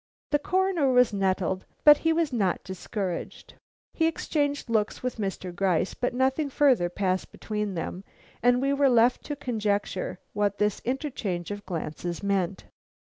The Coroner was nettled, but he was not discouraged. He exchanged looks with Mr. Gryce, but nothing further passed between them and we were left to conjecture what this interchange of glances meant.